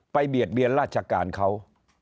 เบียดเบียนราชการเขา